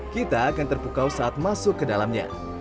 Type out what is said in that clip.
kita akan terpukau saat masuk ke dalamnya